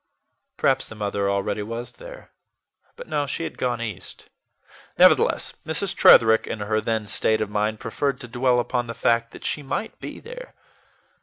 Perhaps the mother already was there; but no, she had gone East. Nevertheless, Mrs. Tretherick, in her then state of mind, preferred to dwell upon the fact that she might be there.